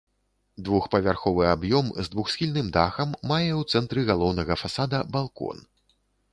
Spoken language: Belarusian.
Двухпавярховы аб'ём з двухсхільным дахам мае ў цэнтры галоўнага фасада балкон.